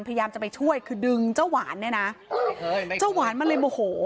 พยายามจะไปช่วยคือดึงเจ้าหวานเนี่ยนะเจ้าหวานมันเลยโมโห